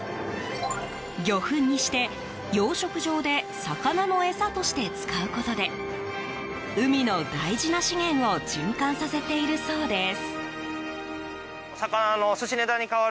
魚粉にして養殖場で魚の餌として使うことで海の大事な資源を循環させているそうです。